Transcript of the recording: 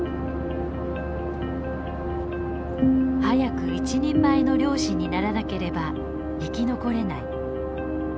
早く一人前の漁師にならなければ生き残れない。